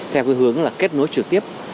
theo cái hướng là kết nối trực tiếp